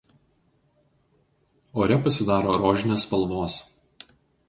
Ore pasidaro rožinės spalvos.